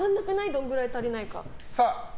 どのぐらい足りないか。